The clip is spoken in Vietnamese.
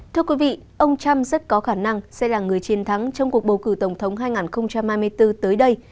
thưa quý vị ông trump rất có khả năng sẽ là người chiến thắng trong cuộc bầu cử tổng thống hai nghìn hai mươi bốn tới đây